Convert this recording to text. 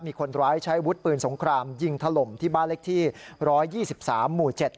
มีคนร้ายใช้วุฒิปืนสงครามยิงถล่มที่บ้านเล็กที่๑๒๓หมู่๗